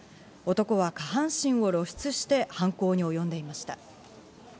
男は下半身を露出して犯行におよんでいました。